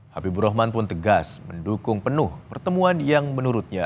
habibur rahman pun tegas mendukung penuh pertemuan yang menurutnya